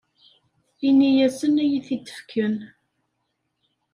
Ini-asen ad iyi-t-id-fken.